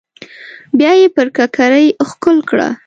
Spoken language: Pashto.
بيا يې پر ککرۍ ښکل کړه.